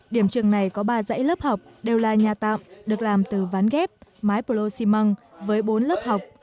điểm trường này có ba dãy lớp học đều là nhà tạm được làm từ ván ghép mái prosi măng với bốn lớp học